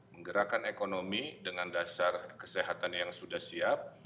menggerakkan ekonomi dengan dasar kesehatan yang sudah siap